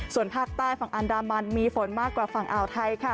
ส่วนภาคใต้ฝั่งอันดามันมีฝนมากกว่าฝั่งอ่าวไทยค่ะ